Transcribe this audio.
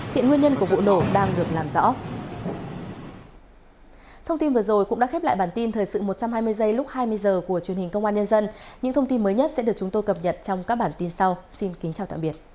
hiện nguyên nhân của vụ nổ đang được làm rõ